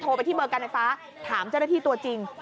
ไปที่เบอร์การไฟฟ้าถามเจ้าหน้าที่ตัวจริง